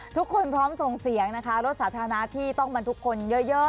พร้อมส่งเสียงนะคะรถสาธารณะที่ต้องบรรทุกคนเยอะ